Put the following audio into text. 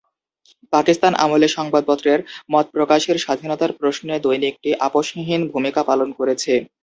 পাকিস্তান আমলে সংবাদপত্রের মত প্রকাশের স্বাধীনতার প্রশ্নে দৈনিকটি আপোষহীন ভূমিকা পালন করেছে।